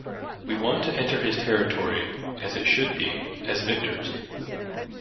We want to enter his territory as it should be, as victors.